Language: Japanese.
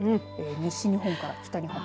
西日本から北日本。